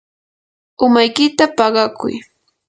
umaykita paqakuy.